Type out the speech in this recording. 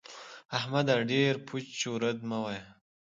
احمده! ډېر پوچ و رد مه وايه.